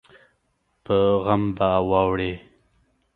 په غم به واوړې